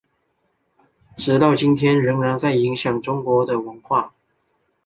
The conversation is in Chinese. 直到今天依然在影响中国的文化。